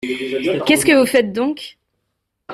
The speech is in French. Qu’est-ce que vous faites donc ?